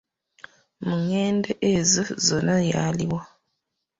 Mu ngendo ezo zonna yaliwo.